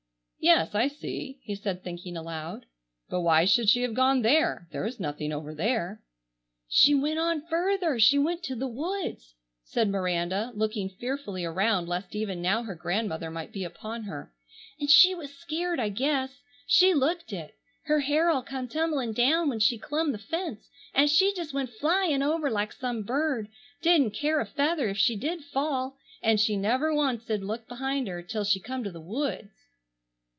"Yes, I see," he said thinking aloud, "but why should she have gone there? There is nothing over there." "She went on further, she went to the woods," said Miranda, looking fearfully around lest even now her grandmother might be upon her, "and she was scared, I guess. She looked it. Her hair all come tumblin' down when she clum the fence, an' she just went flyin' over like some bird, didn't care a feather if she did fall, an' she never oncet looked behind her till she come to the woods."